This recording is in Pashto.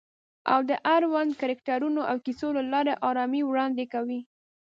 او د اړونده کرکټرونو او کیسو له لارې آرامي وړاندې کوي